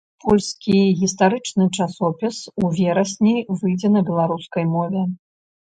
Польскі гістарычны часопіс у верасні выйдзе на беларускай мове.